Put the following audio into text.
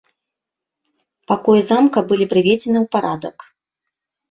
Пакоі замка былі прыведзены ў парадак.